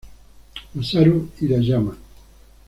Masaru Hirayama